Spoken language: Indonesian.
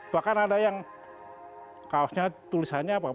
bahkan ada yang kaosnya tulisannya apa